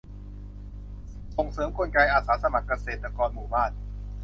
ส่งเสริมกลไกอาสาสมัครเกษตรหมู่บ้าน